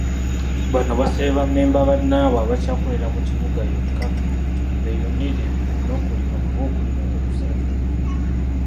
Bano basabye bammemba bannaabwe abakyakolera mu kibuga yokka beeyunire n'okulima kuba okulima tekusala.